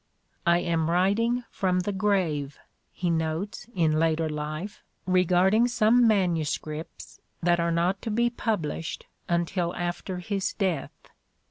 "I am writing from the grave," he notes in later life, regard ing some manuscripts that are not to be published until after his death.